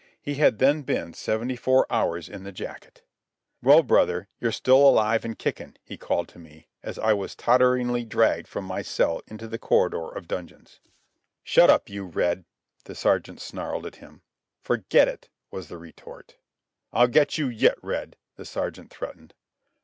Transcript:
He had then been seventy four hours in the jacket. "Well, brother, you're still alive an' kickin'," he called to me, as I was totteringly dragged from my cell into the corridor of dungeons. "Shut up, you, Red," the sergeant snarled at him. "Forget it," was the retort. "I'll get you yet, Red," the sergeant threatened.